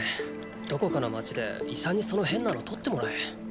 どこかの街で医者にその変なのを取ってもらえ。え？